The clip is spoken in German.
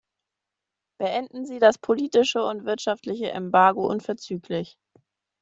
Beenden Sie das politische und wirtschaftliche Embargo unverzüglich.